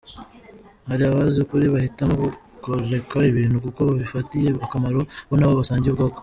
Hari abazi ukuri bahitamo kugoreka ibintu kuko bibafitiye akamaro bo n’abo basangiye ubwoko.